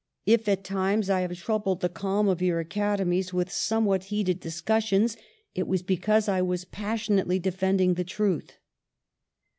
If at times I have troubled the calm of our Academies with somewhat heated discussions, it was because I was passion ately defending the truth.